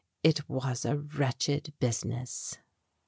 It was a wretched business.